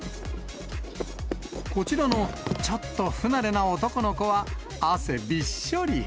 こちらのちょっと不慣れな男の子は、汗びっしょり。